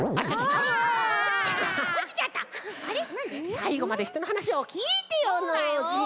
さいごまでひとのはなしをきいてよノージー！